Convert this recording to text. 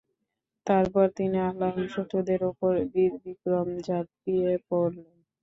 তারপর তিনি আল্লাহর শত্রুদের উপর বীরবিক্রমে ঝাঁপিয়ে পড়লেন।